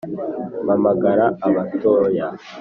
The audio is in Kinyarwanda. Mpamagara abatoya